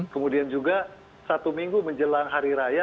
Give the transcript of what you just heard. kemudian juga satu minggu menjelang hari raya